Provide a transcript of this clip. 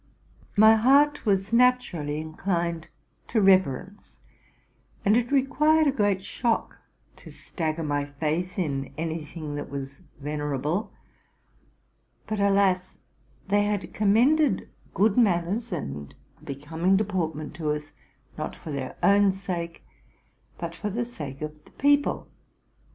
My heart was naturally inclined to reverence, and it required a great shock to stagger my faith in any thing that was vener able. But alas! they had commended good manners and a becoming deportment to us, not for their own sake, but for the sake of the people.